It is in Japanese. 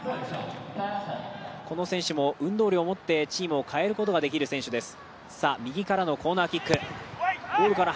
この選手も運動量をもってチームを変えることができる選手です。